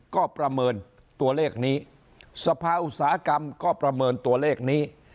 ก็ประเมินตัวเลขนี้สภาอุตสาหกรรมก็ประเมินตัวเลขนี้